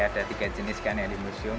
ada tiga jenis kan yang di museum